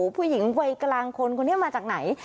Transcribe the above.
ผู้หญิงวัยกลางคนคนนี้มาจากไหน